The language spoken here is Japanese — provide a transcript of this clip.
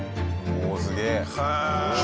おおすげえ！